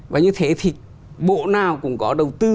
và như thế thì bộ nào cũng có đầu tư